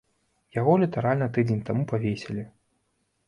Яго літаральна тыдзень таму павесілі.